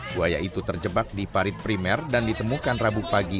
buaya itu terjebak di parit primer dan ditemukan rabu pagi